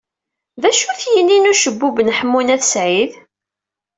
D acu-t yini n ucebbub n Ḥemmu n At Sɛid?